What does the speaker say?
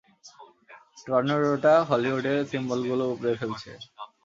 টর্নেডোটা হলিউডের সিম্বলগুলো উপড়ে ফেলছে!